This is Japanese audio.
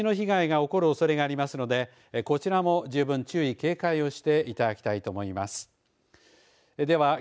浸水の被害が起こる可能性のありますのでこちらも十分に注意警戒をしていただきたいと思います。